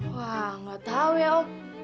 wah nggak tahu ya om